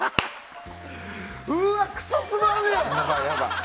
うわ、クソつまんねー！